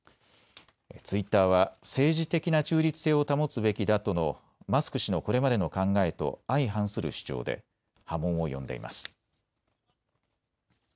ツイッターは政治的な中立性を保つべきだとのマスク氏のこれまでの考えと相反する主張で波紋を呼んでいます。